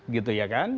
gitu ya kan